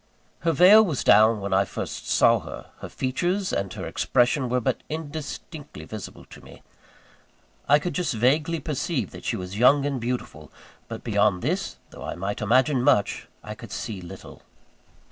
Her veil was down when I first saw her. Her features and her expression were but indistinctly visible to me. I could just vaguely perceive that she was young and beautiful; but, beyond this, though I might imagine much, I could see little.